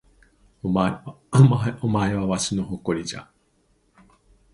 お前はわしの誇りじゃ